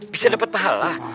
bisa dapet pahala